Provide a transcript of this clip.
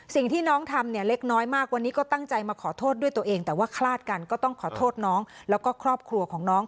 สิ่งที่น้องทำเนี่ยเล็กน้อยมากวันนี้ก็ตั้งใจมาขอโทษด้วยตัวเองแต่ว่าคลาดกันก็ต้องขอโทษน้องแล้วก็ครอบครัวของน้อง